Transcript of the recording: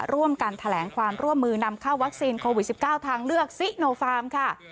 ร่วมกันแถลงความร่วมมือนำเข้าวัคซีนโควิด๑๙ทางเลือกซิโนฟาร์มค่ะ